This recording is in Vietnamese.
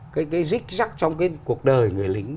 cái cái rích rắc trong cái cuộc đời người lính